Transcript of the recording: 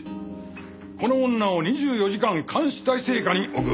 この女を２４時間監視態勢下に置く。